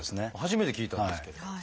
初めて聞いたんですけれど。